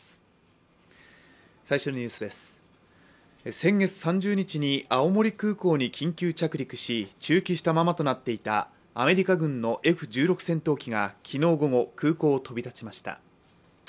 先月３０日に青森空港に緊急着陸し駐機したままとなっていたアメリカ軍のＦ１６戦闘機が昨日午後、空港を飛び立ちました。